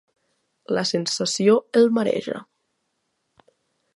La sensació el mareja.